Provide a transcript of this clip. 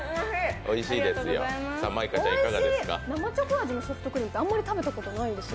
おいしい、生チョコ味のソフトクリームってあんまり食べたことないです。